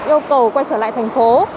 yêu cầu quay trở lại thành phố